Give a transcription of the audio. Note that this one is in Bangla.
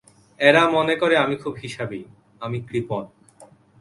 এরা মনে করে আমি খুব হিসাবি, আমি কৃপণ।